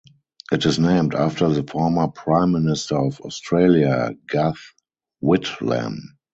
It is named after the former Prime Minister of Australia, Gough Whitlam.